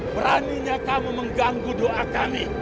beraninya kamu mengganggu doa kami